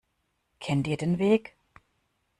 Kennt ihr den Weg?